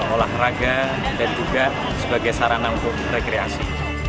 olahraga dan juga sebagai sarana untuk rekreasi